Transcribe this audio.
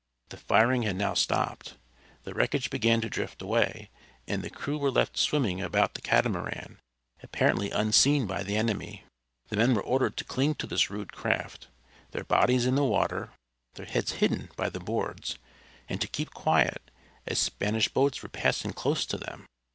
The firing had now stopped. The wreckage began to drift away, and the crew were left swimming about the catamaran, apparently unseen by the enemy. The men were ordered to cling to this rude craft, their bodies in the water, their heads hidden by the boards, and to keep quiet, as Spanish boats were passing close to them.